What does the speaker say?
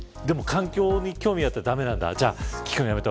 環境に興味があっても駄目なんです。